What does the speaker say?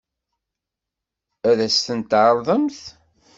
Ad as-ten-tɛeṛḍemt?